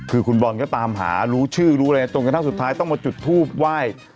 คือคุณบอลก็ตามหารู้ชื่อรู้อะไรจนกระทั่งสุดท้ายต้องมาจุดทูบไหว้